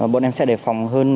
bọn em sẽ đề phòng hơn